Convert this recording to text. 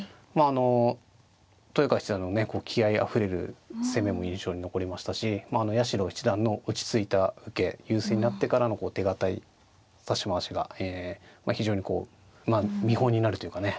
あの豊川七段のねこう気合いあふれる攻めも印象に残りましたし八代七段の落ち着いた受け優勢になってからのこう手堅い指し回しが非常にこう見本になるというかね